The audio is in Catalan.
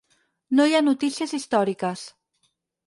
No hi ha notícies històriques.